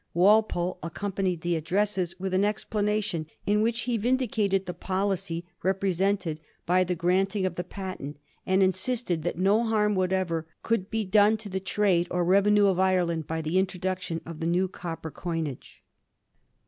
Walpole accompanied the addresses with an explanation in which he vindicated the poUcy Digiti zed by Google 1724 WOOD'S COINAGE. 317 represented by the granting of the patent, and insisted that no harm whatever could be done to the trade or revenue of Ireland by the introduction of the new copper coinage.